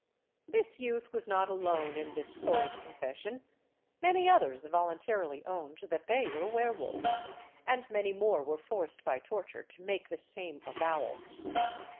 This youth was not alone in this horrid confession; many others voluntarily owned that they were weir wolves, and many more were forced by torture to make the same avowal.